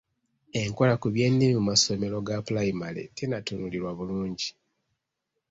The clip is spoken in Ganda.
Enkola ku by'ennimi mu masomero ga pulayimale tennatunuulirwa bulungi.